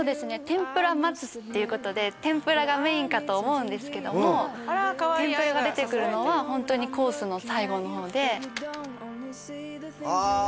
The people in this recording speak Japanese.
天ぷら松っていうことで天ぷらがメインかと思うんですけども天ぷらが出てくるのはホントにコースの最後の方であ！